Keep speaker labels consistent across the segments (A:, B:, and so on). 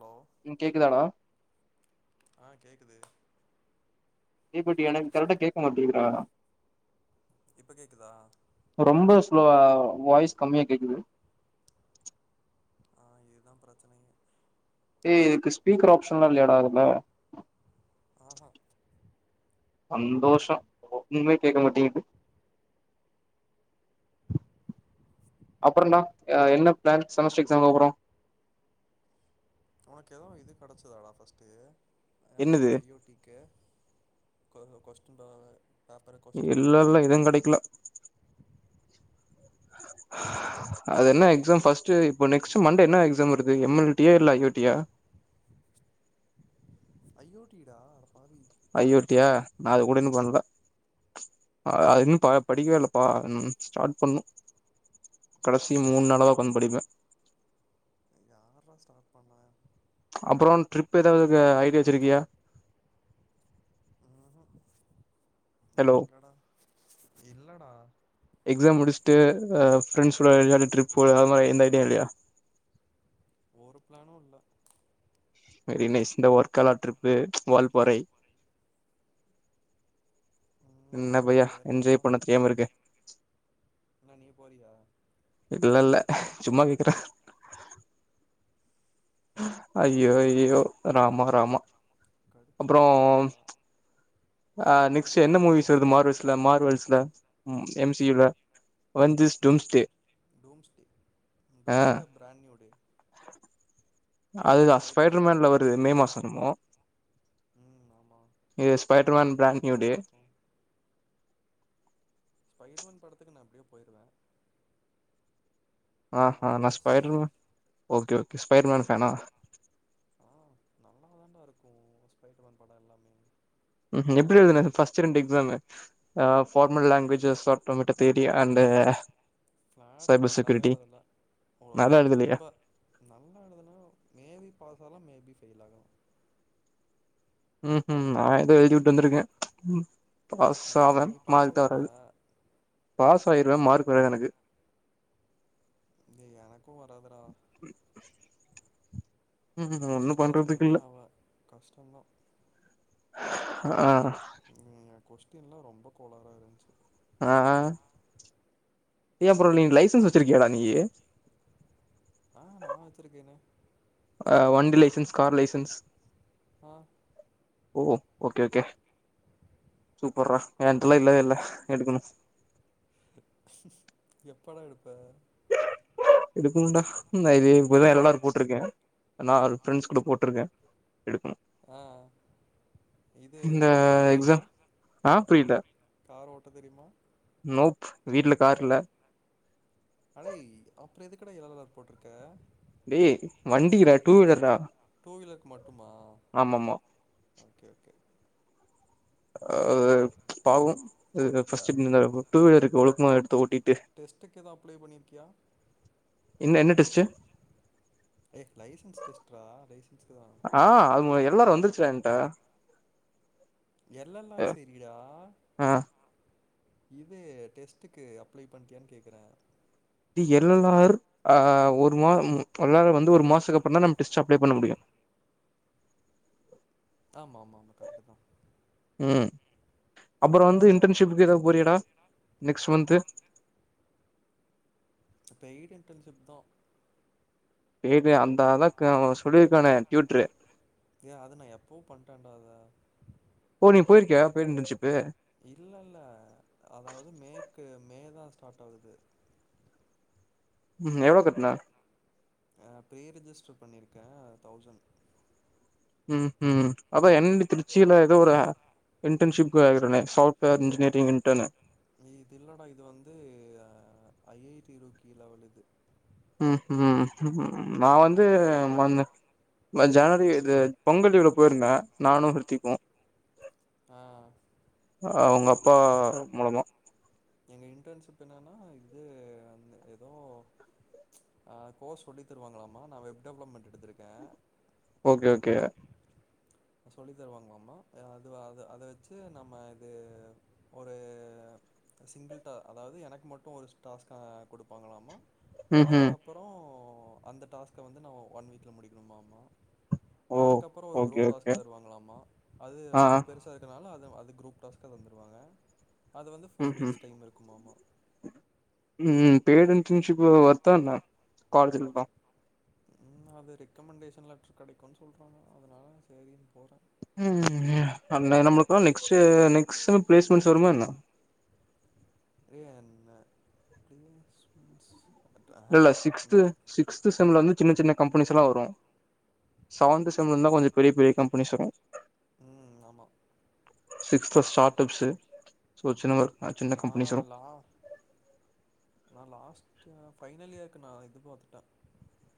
A: Hello
B: ம் கேக்குதாடா
A: ஆ கேக்குது
B: தீப்பெட்டி எனக் கரெட்டா கேக்க மாட்டீக்கிதுடா
A: இப்ப கேக்குதா
B: இப்ப ரொம்போ ஸ்லோவா வாய்ஸ் கம்மியா கேக்குது
A: ஆ இதுதா ப்ரெச்சனையே
B: ஏய் இதுக்கு ஸ்பீக்கர் ஆப்ஷன்லா இல்லையடா இதுல
A: ஆஹா
B: சந்தோஷோ ஒன்னுமே கேக்க மாட்டீங்கிது அப்றோன்டா எ என்ன பிளான் செமஸ்டர் எக்ஸாம் எழுதபோறோ
A: உனக்கு எதோ இது கெடச்சுதாடா ஃபஸ்ட்டு அ
B: என்னது
A: ஐ ஓ டிக்கு கொ ஓ கொஷ்டின் பவ
B: இல்ல இல்ல எதுவு கெடைக்ல அது என்ன எக்ஸாம் ஃபஸ்ட்டு இப்போ நெக்ஸ்ட்டு மண்டே என்ன எக்ஸாம் வருது எம் எல் டியா இல்ல ஐ ஓடியா
A: ஐ யோ டிடா அடப்பாவி
B: ஐ ஓ டியா நா அது கூட இன்னு பண்ல அ அது இன்னு ப படிக்கவே இல்லப்பா ம் ஸ்டார்ட் பண்ணு கடசி
A: நா
B: மூன் நாள தா உக்காந்து படிப்பே
A: யார்ரா ஸ்டார்ட் பண்ண
B: அப்றோ ட்ரிப் ஏதாவுதுக்கு ஐடியா வச்சிருக்கியா
A: ஆஹூம்
B: ஹலோ
A: எங்கடா இல்லடா
B: எக்ஸாம் முடிச்ட்டு அ ஃப்ரெண்ட்ஸோட ஜாலியா ட்ரிப் போற அது மாரி எந்த ஐடியா இல்லயா
A: ஒரு பிளானு இல்ல
B: வெரி நைஸ் இந்த ஒர்க்கலா ட்ரிப்பு வால்பாறை என்ன
A: ம்
B: பையா
A: தெர்லடா
B: என்ஜாய் பண்ண தெரியாம இருக்க
A: என்ன நீ போறியா
B: இல்ல இல்ல சும்மா கேக்குற அய்யோ அய்யோ ராமா ராமா
A: கடுப்பா இருக்கடா
B: ஆ நெக்ஸ்ட்டு என்ன மூவிஸ் வருது மார்வேல்ஸ்ல மார்வல்ஸ்ல ம் எம் சி யுல்ல வந்துஸ் டூம்ஸ்டே
A: டூம்ஸ்டே
B: ஆ
A: டூம்ஸ்டே ப்ரான்யூடே
B: அதுதா
A: ஸ்பைடர்
B: ஸ்பைட்ரு
A: மேனு
B: மேன்ல வருது மே மாசோ என்மோ
A: ம் ஆமா
B: இது ஸ்பைட்ருமேன் பிலன்
A: மஜாவா
B: நியூடே
A: இருக்கும் ஃபை ஒன் படத்துக்கு நா எப்டியு போயிருவே
B: ஆஹா நா
A: Avengers
B: Spiderman okay okay Spiderman ஃபேனா
A: ஆ நல்லா தான்டா இருக்கு ஸ்பைட்ருமேன் படோ எல்லாமே
B: ம்ஹூ எப்டி எழுதுனே ஃபஸ்ட்டு ரெண்டு எக்ஸாமு ஆ ஃபார்மல் லாங்குவேஜ்ஜஸ் சாப்டம்பேட்ட தேடி அண்டு
A: ஃபட்
B: சைபர்
A: நல்லாவே
B: செக்யூரிட்டி
A: எழுதல போ
B: நல்லா எழுதலையா
A: ரொம்ப நல்லா எழுதுனா மேபி பாஸ் ஆலா மேபி ஃபெயில் ஆகலா
B: ம் ஹூ நா ஏதோ எழுதிவுட்டு வந்திருக்கே ம் பாஸ்
A: ம்
B: ஆவே
A: நீ பாஸ்
B: மார்க் தா
A: ஆயிருவ
B: வராது பாஸ் ஆயிருவே மார்க் வராது எனக்கு
A: ஏய் எனக்கு வராதுடா
B: ம்ஹூம்
A: ஜஸ்ட்
B: ஒன்னு
A: பாஸ்
B: பண்றதுக்கு
A: மேபி
B: இல்ல
A: ஆவே கஷ்டோந்தா
B: ஆ
A: ம் கொஸ்டின்லா ரொம்ப கோளாறா இருந்ச்சு
B: ஆஆ ஏ ப்ரோ நீ லைசன்ஸ் வச்சிருக்கியாடா நீயு
A: ஆ நா வச்சுருக்கேனே
B: ஆ வண்டி லைசன்ஸ் கார் லைசன்ஸ்
A: ஆ
B: ஓ ஓகே ஓகே சூப்பர்ரா ஏன்ட்டலா இல்லவே இல்ல எடுக்கணு
A: எப்படா எடுப்ப
B: எடுக்கணுண்டா இந்த இது இப்பதா எல் எல் ஆர் போட்ருக்கே நா ஒரு ஃப்ரெண்ட்ஸ் கூட போட்ருக்கே எடுக்கணு
A: ஆ இது
B: இந்த
A: கார் ஓட்ட தெரியுமா
B: எக்ஸாம் ஆ புரியல
A: கார் ஓட்ட தெரியுமா
B: நோப் வீட்ல காரு இல்ல
A: அடே அப்பறோ எதுக்குடா எல் எல் ஆர் போட்ருக்க
B: டேய் வண்டிரா டூ வீலர்ரா
A: டூ வீலருக்கு மட்டுமா
B: ஆமாமா
A: ஓகே ஓகே
B: ஆ பாப்போ இது
A: யா
B: ஃபர்ஸ்ட் இந்த டூ வீலருக்கு ஒழுக்கமா எடுத்து ஒட்டீட்டு
A: டெஸ்டுக்கு எது அப்ளே பண்ணிருக்கியா
B: என்ன என்ன டெஸ்டு
A: ஏய் லைசன்ஸ் டெஸ்ட்ரா லைசன்ஸ்கு தா
B: எல் எல் ஆர் வந்துருச்சிடா ஏன்ட்ட
A: எல் எல் ஆர் செரிடா
B: ஆ
A: இது டெஸ்ட்டுக்கு அப்ளே பண்ட்டியான்னு கேக்குறே
B: டேய் எல் எல் ஆர் ஆ ஒரு மா எல் எல் ஆர் வந்து ஒரு மாசத்துக்கு அப்பறந்தா நம்ம டெஸ்ட் அப்ளே பண்ண முடியு
A: ஆமா ஆமா ஆமா கரெக்ட்தா
B: ம் அப்பறோ வந்து இன்டர்ன்ஷிப்புக்கு ஏதாது போறியாடா நெக்ஸ்ட் மந்த்து
A: அது பெய்ட் இன்டர்ன்ஷிப் தா
B: சேரி அந்தா அதா அவே சொல்லிருக்கானே டியூட்ரு
A: ஏய் அத நா எப்பவோ பண்ட்டேடா அத
B: ஓ நீ போயிருக்கியா பெய்டு இன்டர்ன்ஷிப்
A: இல்ல இல்ல அதாவது மேக்கு மே தா ஸ்டார்ட் ஆவுது
B: ம் எவ்ளோ கட்ன
A: இந்த பே ரெஜிஸ்டர் பண்ணிருக்கே தௌசண்ட்
B: ம் ம் அப்ப எண்டு திருச்சில ஏதோ ஒரு இன்டர்ன்ஷிப்க்கு ஆகுறனே சாப்ட்வேர் இன்ஜினியரிங் இன்டர்ன்
A: இது இல்லடா இது வந்து ஐ ஐ டீம்க்கு கீ லெவல் இது
B: ம் ம் ம் நா வந்து
A: ரூர்க்கி
B: வந்து ஜனவரி இது பொங்கல் லீவுல போயிருந்தே நானு கிரித்திக்கு
A: ஆ
B: அவுங்க அப்பா மூலமா
A: எங்க இன்டர்ன்ஷிப் என்னன்னா இது அந்த ஏதோ ஆ கோர்ஸ் சொல்லி தருவாங்களாமா நா வெப் டெவலப்மெண்ட் எடுத்துருக்கே
B: ஓகே ஓகே
A: சொல்லி தருவாங்களாமா அது அத அத வச்சி நம்ம இது ஒரு சிங்கிள் டா அதாவது எனக்கு மட்டு ஒரு டாஸ்க்கா குடுப்பாங்களாமா
B: ம் ம்
A: அதுக்கப்பறோ அந்த டாஸ்க்க வந்து நா ஒன் வீக்ல முடிக்கணுமாமா
B: ஓ
A: அதுக்கப்பறோ ஒரு
B: ஓகே
A: குரூப்
B: ஓகே
A: டாஸ்க் தருவாங்களாமா அது
B: ஆ
A: ரொம்ப பெருசு இருக்கனால அத அது குரூப் டாஸ்க்கா தந்துருவாங்க அது வந்து
B: ம்
A: ஃபோர்
B: ம்
A: வீக்ஸ் டைம் இருக்குமாமா
B: ம் பெய்டு இன்டர்ன்ஷிப் வொர்த்தா என்னா காலேஜ்க்கு எல்லா
A: ம் அது ரெக்கமெண்டேஷன்ல கெடைக்குன் சொல்றாங்க அதனால சேரின்னு போறே
B: ம் ம் ம் ம் அந்த நமக்குலா next year next cell placements வருமா என்ன
A: பிரியா என்ன பிலிம்ஸ் பிலிம்ஸ்
B: இல்ல இல்ல சிக்ஸ்த்து சிக்ஸ்த் சம்ல வந்து சின்ன சின்ன கம்பெனிஸ் எல்லா வரு செவன்த் செம்முல இருந்து தா கொஞ்சோ பெரிய பெரிய கம்பெனிஸ் வரு
A: ம் ஆமா
B: சிக்ஸ்த் ஸ்டார்ட் அப்ஸ்சு சின்ன சின்ன
A: நா
B: கம்பெனிஸ் வரு
A: லா நா லாஸ்ட்டா ஃபைனல் இயர் இருக்கு இது பாத்துட்டே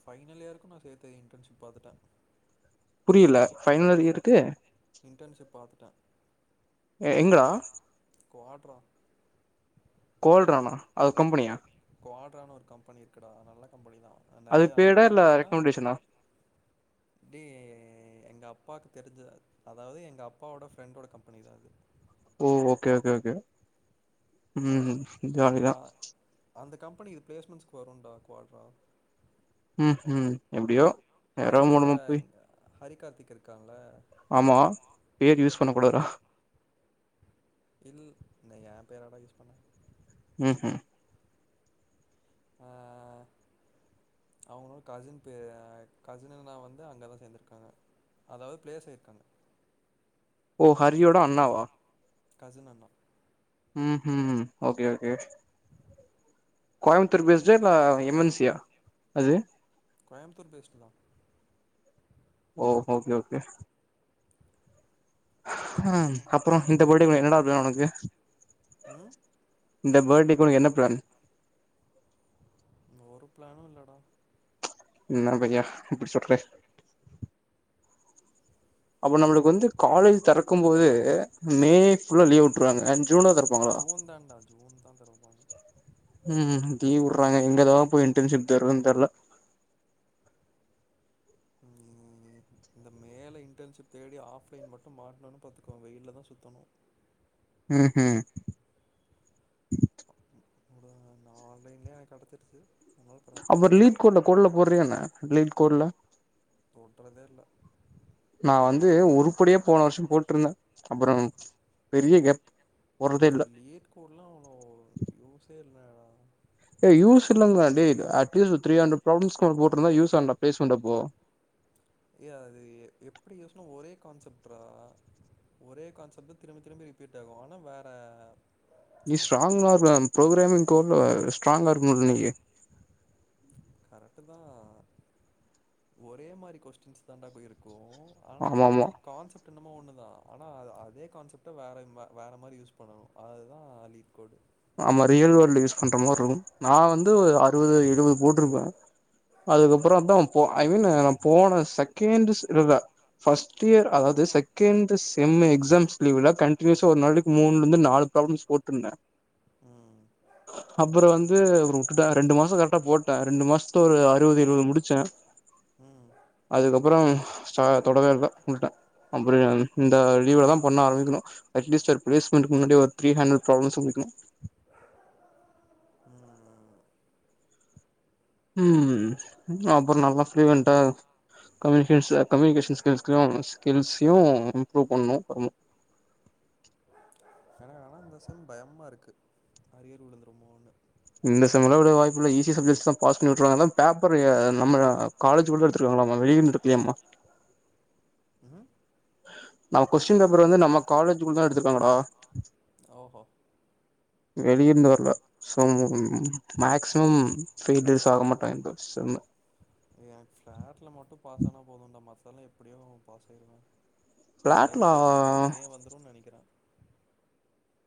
A: ஃபைனல் இயருக்கு நா இன்டர்ன்ஷிப் பாத்துட்டே
B: புரில. பைனல் இயருக்கு
A: இன்டர்ன்ஷிப் பாத்துட்டுடே
B: ஏ எங்கடா
A: கோட்ரா
B: கோல்றானா அது கம்பெனியா
A: கோட்ரானு ஒரு கம்பெனி இருக்குடா நல்ல கம்பெனி தா
B: அது
A: நறைய அங்க
B: பேடா இல்ல
A: எப்டின்னா
B: [inaudible]
A: டேய் எங்க அப்பாக்கு தெரிஞ்ச அதாது எங்க அப்பாவோட ஃப்ரெண்டோட கம்பெனி தா அது
B: ஓ ஓகே ஓகே ஓகே ம் ஜாலிதா
A: ஆ அந்த கம்பெனி இது ப்ளேஸ்மெண்ட்ஸ்கு வரும்டா குவாட்ரா
B: ம் ம் எப்டியோ யாரோ முலமா போய்
A: ஹாரி கார்த்திக் இருக்கான்ல
B: ஆமா பேர் யூஸ் பண்ண கூடாதுடா
A: இல்ல நா எயா பேராடா யூஸ் பண்ணே
B: ம் ம்
A: ஆ அவுங்களு கசின் பே ஆ கசின் அண்ணா வந்து அங்கதா சேந்திருக்காங்க அதாது ப்ளேஸ்சாகி இருக்காங்க
B: ஓ ஹரிடோ அண்ணா வா
A: கசின் அண்ணா
B: ம் ம் ஓகே ஓகே கோயம்புத்தூர் பேஸ்டா இல்ல எம் என் சி யா அது
A: கோயம்பத்தூர் பேஸ்டு தான்
B: ஓ ஓகே ஓகே ஆ அப்றோ இந்த பர்த்டே என்னடா பிளான் உனக்கு
A: ம்
B: இந்த பர்த்டேக்கு என்ன ப்ளான்
A: இங்க ஒரு பிளானு இல்லடா
B: என்ன பையா இப்டி சொல்ற அப்போ நம்மளுக்கு
A: எனக்கு
B: வந்து காலேஜ் தெறக்கும் போது மே ஃபுல்லா லீவ் உட்றுவாங்க
A: ஜீன் தான்டா ஜீன் தா தெறப்பாங்க
B: ம் உட்றாங்க எங்கதா போய் இன்டர்ன்ஷிப் தேட்றதுன்னு தெர்ல
A: ம் இந்த மேல இன்டர்ன்ஷிப் தேடி ஆஃப்லைன் மாட்ணும்னா பாத்துக்கோ வெயிலில் தா சுத்தணு
B: ம் ம்
A: அப்டிதா நான் ஆன்லைன்லயே எனக்கு கடச்சிடுச்சி
B: அப்பறோ லீட் கோட்ல கோட்ல போட்றியா என்ன லீட் கோட்ல
A: தொட்றதே இல்ல
B: நா வந்து உருப்படியா போன வருஷோ போட்டிருந்தே அப்புறம் பெரிய கேப் போடுறதே இல்ல
A: லேட் கூடலா அவ்ளோ யூசே இல்லடா
B: ஏ யூஸ் இல்லங்ராண்டே அட்லீஸ்ட்ஒரு த்ரி ஹன்ட்ரட் ப்ராப்ம்ஸ் கூட போட்ருந்தா யூஸான்ட பேச்வேண்டா இப்போ
A: ஏ அது எப்டி யோசனா ஒரே கான்ஸப்ட்ரா ஒரே கான்செப்ட் தா திரும்பி திரும்பி ரிப்பீட் ஆகு ஆனா வேற
B: நீ ஸ்ட்ராங் [unintelligible] ப்ரோகராமிங் கோடுல ஸ்ட்ராங்கா இருக்கனுல நீ
A: கரெக்ட் தா ஒரே மாரி கொஸ்டின்ஸ் தான்டா போயிருக்கு ஆனா
B: ஆமா ஆமா
A: எப்ப கான்செப்ட் என்னமோ ஒன்னு தா ஆனா அதே கான்செப்ட்ட வேற இது வேற மாரி யூஸ் பண்ணணு அதுதா லீட் கோட்
B: நம்ம ரியல் வேல்ல யூஸ் பண்ற மார்ருக்கு நா வந்து அறுபது எழுபது போட்ருப்பே அதுக்கப்புற தா ஐ மீன் நா போன செகேண்ட்ஸ் [unintelligible] ஃபஸ்ட் இயர் அதாவது செகண்ட் த செம்மே எக்ஸாம்ஸ் லீவ்ல கண்டினுயஸா ஒரு நாளைக்கு மூன்லந்து நாலு ப்ராளம்ஸ் போட்ருந்தே
A: உ
B: அப்புற வந்து ஒரு விட்டுட்டே ரெண்டு மாசோ கரெக்டா போட்டே ரெண்டு மாசத்துல ஒரு அறுபது எழுபது முடிச்சே
A: ம்
B: அதுக்கப்புறோ ஆ தொடவே இல்ல உட்டுட்டே அப்புற இந்த லீவுல தா பண்ண ஆரம்பிக்கணு அட்லீஸ்ட் ஒரு ப்ளேஸ்மென்டுக்கு முன்னாடி ஒரு த்ரீ ஹன்ரட் ப்ராப்ளம்ஸ முடிக்கனு
A: உ உ
B: உ அப்புற நல்லா ஃப்ளுவென்ட்டா கம்யூனிகேஷஸ் கம்யனிகேஷன் ஸ்கில்கலு ஸ்கில்ஸையு இம்ப்ரூவ் பண்ணணு
A: ஆனா ஆனா இந்த செம் பயமா இருக்கு அரியர் விழுந்துருமோனு
B: இந்த செம்லாவிட வாய்ப்பில்ல ஈசி சப்ஜெக்ட்ஸ்லா பாஸ் பன்னி விட்ருவாங்கதா பேப்பர் நம்ம காலேஜ் குள்ள எடுத்துருக்காங்களாமா வெளியனு எடுக்கலயாமா
A: உ
B: நம்ம கொஸ்டின் பேப்பர் வந்து நம்ம காலேஜ் குள்ள தா எடுத்துக்காங்களா
A: ஓஹோ
B: வெளியந்து வரல சோ மாக்சிமம் [unintelligible] ஆகமாட்டாங்க [unintelligible] செம்மு
A: என பிளாட்ல மட்டு பாஸ் ஆனா போது இந்த மாசல்லா எப்டியோ அவ பாஸ் ஆய்டுவே
B: ஃபிளாட்லா
A: சைபர் கன்ஃபர்ம் ஏ வந்துரும்னு நனைக்கிறே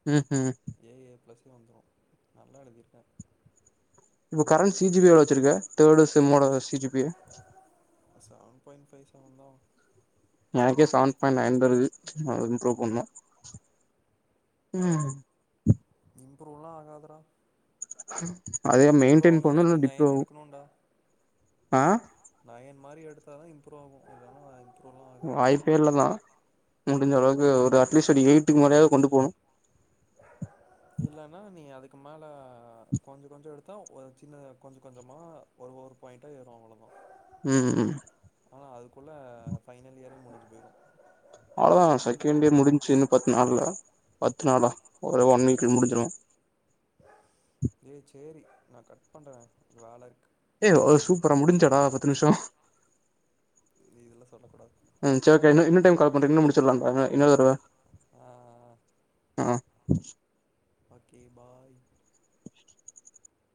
B: உ உ
A: ஏ ஏ ப்ளஸுனு வந்துரு நல்லா எழுதிருக்கே
B: இப்ப கரன்ட் சி ஜி பி எவ்ளோ வச்சிருக்கே தேர்டு செம்மோட C G B
A: seven point five செவன்தா
B: எனக்கே செவன் பாயிண்ட் நைன் இம்ப்ரூவ் பண்ணோ உ
A: இம்ப்ருலா ஆகாதுடா
B: அதே மெயின்டெயின்
A: இம்ப்ருஆனதா
B: பண்ணு இல்ல
A: நீ
B: டிப்ரூ
A: நயன்
B: ஆகு
A: எடுக்கணும்ண்டா
B: ஆ
A: நயன் மாரி எடுத்தா தா இம்ப்ரூவ ஆவு இல்லனா வே
B: வாய்ப்பேல்ல தா முடிஞ்ச அளவுக்கு ஒரு அட்லீஸ்ட் ஒரு எய்ட்டுக்கு முரயாது கொண்டு போணு
A: இல்லன்னா நீ அதுக்கு மேல கொஞ்ச கொஞ்ச எடுத்தா ஒரு சின்ன கொஞ்ச கொஞ்சமா ஒரு ஒரு பாயிண்ட்ட ஏரு அவ்வளதா
B: உ உ
A: ஆனா அதுக்குள்ள பைனல் இயரே முடிஞ்சு போயிரு
B: அவ்ளதா செகண்ட் இயர் முடிஞ்ச்சி இன்னு பத்து நாள்ல பத்து நாளா ஒரு ஒன் வீக்ல முடிஞ்சிரு
A: ஏ சேரி நா கட் பண்றே இது வேல இருக்கு
B: ஏ சூப்பரா முடிஞ்சாடா பத்து நிம்ஷோ
A: நீ இதெல்லா சொல்லக்கூடாது
B: ம் செரிக்கா இன்னு இன்னு டைம் கால் பண்றே முடிச்சுடலாக்கா இன்னொரு தடவ
A: ஆ
B: ஆ
A: ஓகே பாய்